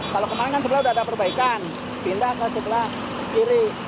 kalau kemarin kan sebelah sudah ada perbaikan pindah ke sebelah kiri